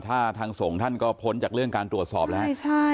ถ้าทางสงฆ์ท่านก็พ้นจากเรื่องการตรวจสอบใช่ใช่ก็คงต้องให้สาธิสุข